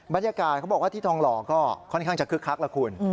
บรรยากาศเขาบอกว่าที่ทองหล่อก็ค่อนข้างจะคึกคักแล้วคุณ